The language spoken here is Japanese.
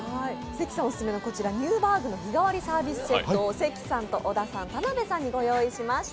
こちらニューバーグの日替わりサービスセットを関さんと小田さん、田辺さんにご用意しました。